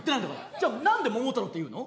じゃあ何で桃太郎っていうの？